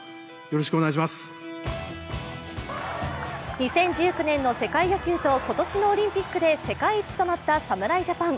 ２０１９年の世界野球と今年のオリンピックで世界一となった侍ジャパン。